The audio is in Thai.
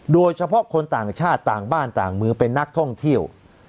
โดยเฉพาะคนต่างชาติต่างบ้านต่างมือเป็นนักท่องเที่ยว